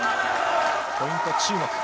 ポイント、中国。